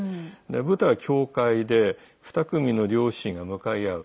舞台は教会で２組の両親が向かい合う。